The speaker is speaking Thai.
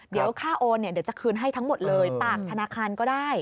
เดี๋ยวค่าโอนเดี๋ยวจะคืนให้ทั้งหมดเลยต่างธนาคารก็ได้